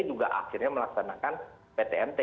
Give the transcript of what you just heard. juga akhirnya melaksanakan ptmt